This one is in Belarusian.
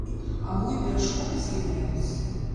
А мо і перашкоды з'яўляюцца?